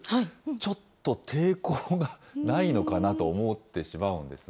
ちょっと抵抗がないのかなと思ってしまうんですが。